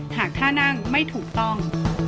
หากท่านั่งไม่ถูกต้อง